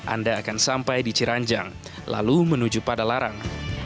anda akan sampai di ciranjang lalu menuju padalarang